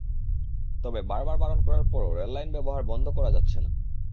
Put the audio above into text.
তবে বারবার বারণ করার পরও রেললাইন ব্যবহার বন্ধ করা যাচ্ছে না।